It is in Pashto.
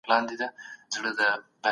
هغه څوک چي مطالعه کوي ډېر استدلال کوي.